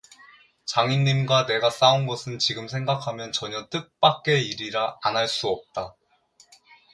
장인님과 내가 싸운 것은 지금 생각하면 전혀 뜻밖의 일이라 안할 수 없다.